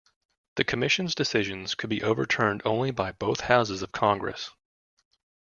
The Commission's decisions could be overturned only by both houses of Congress.